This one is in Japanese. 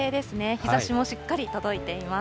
日ざしもしっかり届いています。